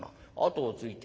後をついて。